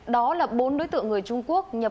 đó là bốn đối tượng người trung quốc